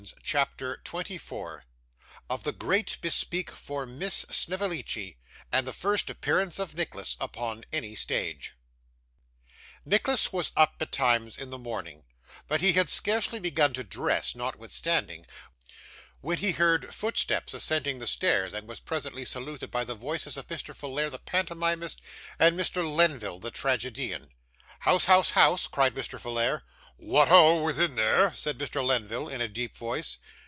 CHAPTER 24 Of the Great Bespeak for Miss Snevellicci, and the first Appearance of Nicholas upon any Stage Nicholas was up betimes in the morning; but he had scarcely begun to dress, notwithstanding, when he heard footsteps ascending the stairs, and was presently saluted by the voices of Mr. Folair the pantomimist, and Mr. Lenville, the tragedian. 'House, house, house!' cried Mr. Folair. 'What, ho! within there,' said Mr. Lenville, in a deep voice.